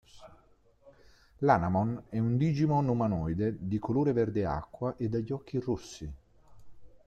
Lanamon è un Digimon umanoide di colore verde acqua e dagli occhi rossi.